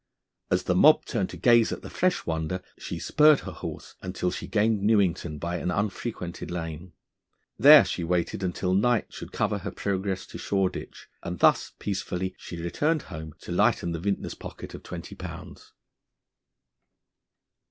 As the mob turned to gaze at the fresh wonder, she spurred her horse until she gained Newington by an unfrequented lane. There she waited until night should cover her progress to Shoreditch, and thus peacefully she returned home to lighten the vintner's pocket of twenty pounds.